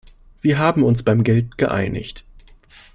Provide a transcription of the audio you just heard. Wir haben uns beim Geld geeinigt.